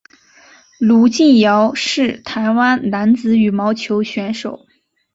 卢敬尧是台湾男子羽毛球选手。